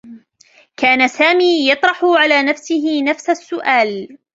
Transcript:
كان سامي يطرح على نفسه نفس السّؤال.